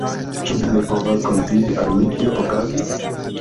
Ĉu vi ne povas konfidi al mi, kio okazis?